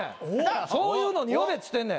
そういうのに呼べっつってんねん。